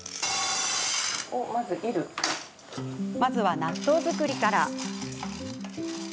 まずは納豆作りから。